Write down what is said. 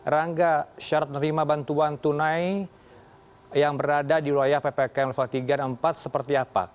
rangga syarat menerima bantuan tunai yang berada di wilayah ppkm level tiga dan empat seperti apa